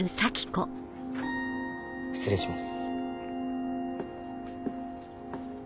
失礼します。